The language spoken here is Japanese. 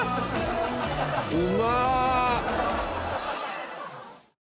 うま！